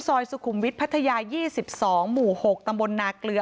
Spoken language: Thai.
ซอยสุขุมวิทยพัทยา๒๒หมู่๖ตำบลนาเกลือ